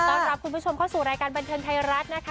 รับคุณผู้ชมเข้าสู่รายการบันเทิงไทยรัฐนะคะ